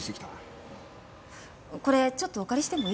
これちょっとお借りしてもいいですか？